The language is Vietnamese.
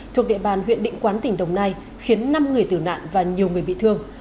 thuộc địa bàn huyện định quán tỉnh đồng nai khiến năm người tử nạn và nhiều người bị thương